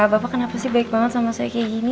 bapak kenapa sih baik banget sama saya kayak gini